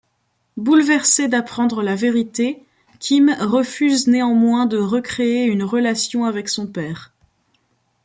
Bouleversée d'apprendre la vérité, Kim refuse néanmoins de recréer une relation avec son père.